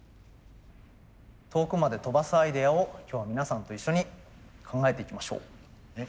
遠くまで飛ばすアイデアを今日は皆さんと一緒に考えていきましょう。